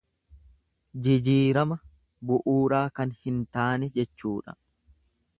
Jijiirama bu'uuraa kan hin taane jechuudha.